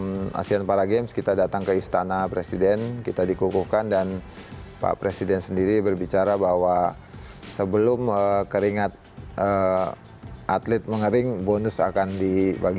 dalam asean para games kita datang ke istana presiden kita dikukuhkan dan pak presiden sendiri berbicara bahwa sebelum keringat atlet mengering bonus akan dibagi